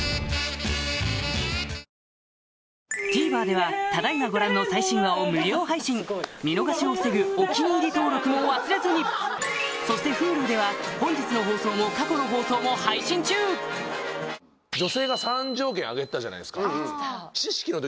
ＴＶｅｒではただ今ご覧の最新話を無料配信見逃しを防ぐ「お気に入り」登録も忘れずにそしてＨｕｌｕでは本日の放送も過去の放送も配信中！でしたっけ？